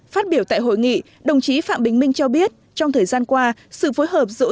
phát biểu tại hội nghị đồng chí phạm bình minh cho biết trong thời gian qua sự phối hợp giữa